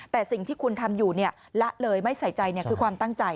แต่สิ่งที่คุณทำอยู่ละเลยไม่ใส่ใจคือความตั้งใจ